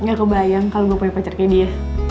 gak kebayang kalau gue punya pacar kayak dia